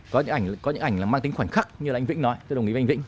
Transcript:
có những ảnh là mang tính khoảnh khắc như là anh vĩnh nói tôi đồng ý với anh vĩnh